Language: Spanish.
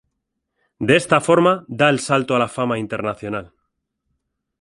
De esta forma, da el salto a la fama internacional.